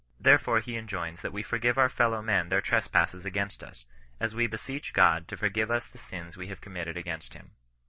Therefore he enjoins that we forgive our fellow men their trespasses against us, as we beseech Ood to forgive us the sins we have committed against him.